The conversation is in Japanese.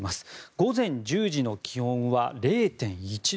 午前１０時の気温は０．１度。